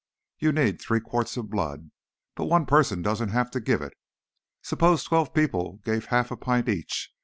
You need three quarts of blood. But one person doesn't have to give it. Suppose twelve people gave half a pint each.